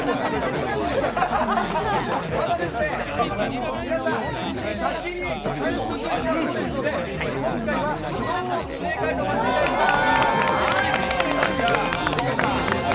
ただですね、皆さん、先に完食したほうですので、今回はうどんを正解とさせていただきます。